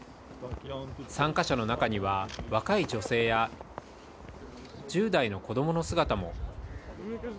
参加者の中には若い女性や１０代の子供の姿も。